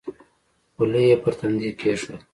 خولۍ یې پر تندي کېښوده.